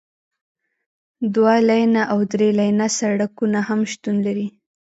دوه لینه او درې لینه سړکونه هم شتون لري